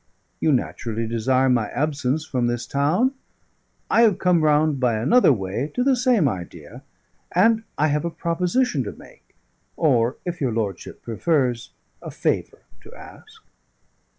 You naturally desire my absence from this town; I have come round by another way to the same idea. And I have a proposition to make; or, if your lordship prefers, a favour to ask."